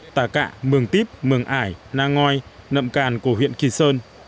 tà cạ mường típ mường ải nang ngoi nậm càn của huyện kỳ sơn